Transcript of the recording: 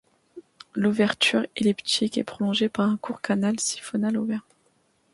L'ouverture, elliptique, est prolongée par un court canal siphonal ouvert.